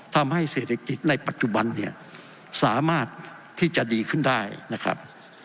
ทำให้เศรษฐกิจในปัจจุบันเนี่ยสามารถที่จะดีขึ้นได้นะครับ